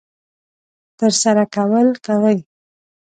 ترسره کول کوي.